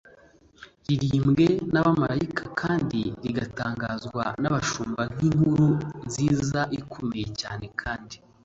riririmbwe n'abamalayika kandi rigatangazwa n'abashumba nk'inkuru nziza ikomeye cyane kandi